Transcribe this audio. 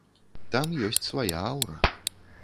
Там ёсць свая аўра.